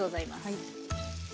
はい。